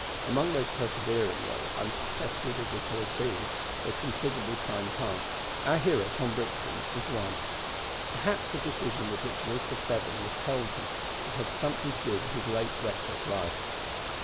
Among those persevering though unsuccessful diggers had been, for a considerable time past, our hero Tom Brixton. Perhaps the decision with which Elizabeth Bevan repelled him had had something to do with his late reckless life.